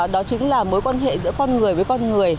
đó chính là mối quan hệ giữa con người với con người